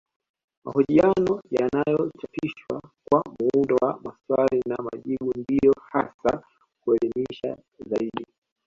Mahojiano yanayochapishwa kwa muundo wa maswali na majibu ndiyo hasa huelimisha zaidi